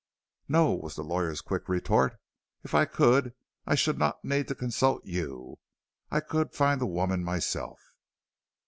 "No," was the lawyer's quick retort; "if I could I should not need to consult you; I could find the woman myself."